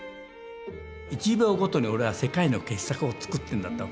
１秒ごとに俺は世界の傑作を作ってるんだと。